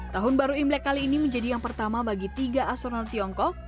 tahun baru imlek kali ini menjadi yang pertama bagi tiga asonor tiongkok